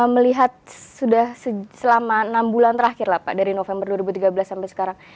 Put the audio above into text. melihat sudah selama enam bulan terakhir lah pak dari november dua ribu tiga belas sampai sekarang